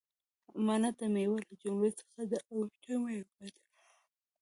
مڼه دمیوو له جملي څخه ده او ښه میوه ده